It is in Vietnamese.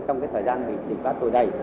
trong cái thời gian này